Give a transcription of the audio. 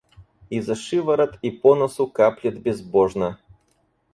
И за шиворот и по носу каплет безбожно.